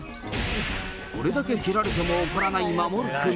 これだけ蹴られてても怒らないマモルくん。